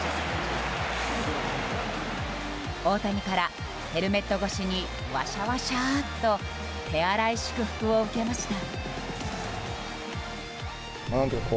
大谷からヘルメット越しにわしゃわしゃと手荒い祝福を受けました。